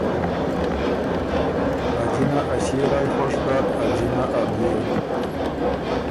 ا جنه ا ݭيې رایٛ خوش داک ا جِنه ا بيې۔